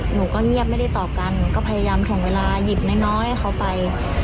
หนูก็เงียบไม่ได้ตอบกันหนูก็พยายามถ่วงเวลาหยิบน้อยให้เขาไป